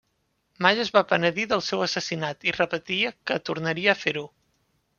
Mai es va penedir del seu assassinat i repetia que tornaria a fer-ho.